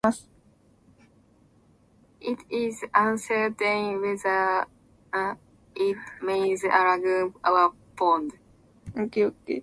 It is uncertain whether it means lagoon or pond.